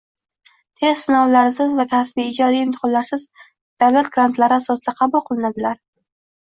test sinovlarisiz va kasbiy, ijodiy imtihonlarsiz davlat grantlari asosida qabul qilinadilar?